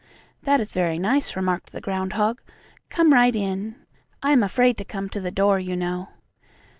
"That is very nice," remarked the groundhog. "Come right in. I am afraid to come to the door, you know."